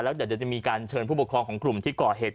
แล้วเดี๋ยวจะมีการเชิญผู้ปกครองของกลุ่มที่ก่อเหตุ